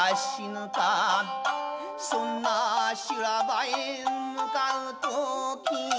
「そんな修羅場に向かうとき」